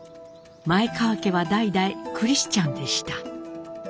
前川家は代々クリスチャンでした。